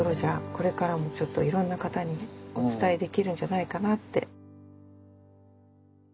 これからもいろんな方にお伝えできるんじゃないかなって。